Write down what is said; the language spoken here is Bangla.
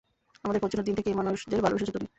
আমাদের পৌঁছানোর দিন থেকে এ মানুষদের ভালোবেসেছ তুমি।